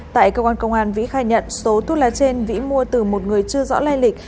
tại cơ quan công an vĩ khai nhận số thuốc lá trên vĩ mua từ một người chưa rõ lai lịch